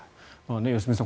良純さん